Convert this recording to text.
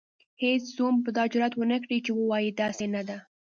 هیڅ زوم به دا جرئت ونکړي چې ووايي داسې نه ده.